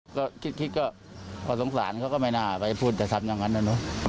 ก็คิดก็พอสงสารเขาก็ไม่น่าไปพูดจะทำอย่างนั้นนะเนอะ